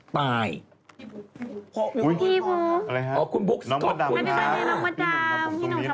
พี่บุ๊คอะไรฮะน้องมดำครับพี่หนุ่มทำผมทรงนี้หรอ